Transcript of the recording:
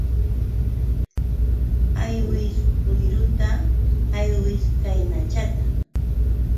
Aywis uyruta aywis kaynachata.